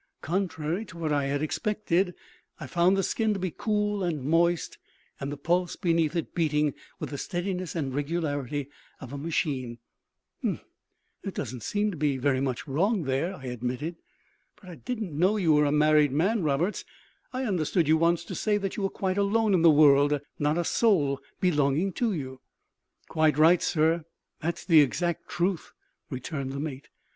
Contrary to what I had expected, I found the skin to be cool and moist, and the pulse beneath it beating with the steadiness and regularity of a machine. "Umph! there doesn't seem to be very much wrong there," I admitted. "But I didn't know you were a married man, Roberts; I understood you once to say that you were quite alone in the world not a soul belonging to you." "Quite right, sir; that's the exact truth," returned the mate.